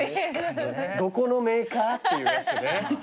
どこのメーカー？っていうやつね。